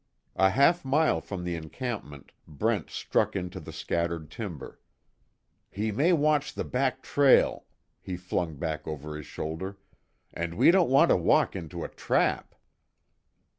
A half mile from the encampment, Brent struck into the scattered timber, "He may watch the back trail," he flung back over his shoulder, "and we don't want to walk into a trap."